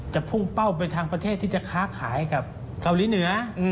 พุ่งเป้าไปทางประเทศที่จะค้าขายกับเกาหลีเหนือ